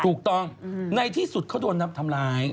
ถูกต้องในที่สุดเขาโดนนำทำร้าย